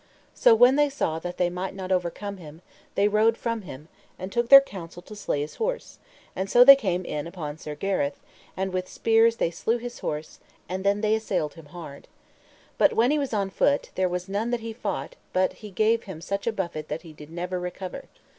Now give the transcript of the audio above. So when they saw that they might not overcome him, they rode from him, and took their counsel to slay his horse; and so they came in upon Sir Gareth, and with spears they slew his horse, and then they assailed him hard. But when he was on foot, there was none that he fought but he gave him such a buffet that he did never recover.